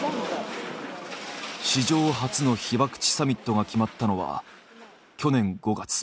史上初の被爆地サミットが決まったのは去年５月。